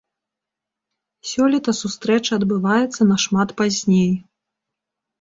Сёлета сустрэча адбываецца нашмат пазней.